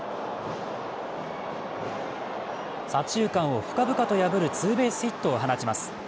左中間を深々と破るツーベースヒットを放ちます。